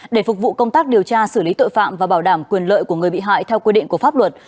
để phục vụ công tác điều tra xử lý tội phạm và bảo đảm quyền lợi của người bị hại theo quy định của pháp luật